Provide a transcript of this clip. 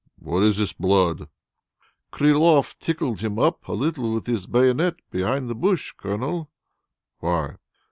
"What is this blood?" "Kyriloff tickled him up a little with his bayonet behind the bush, Colonel." "Why?"